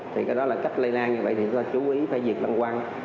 thì cái đó là cách lây lan như vậy thì chúng ta chú ý phải diệt lăn quăng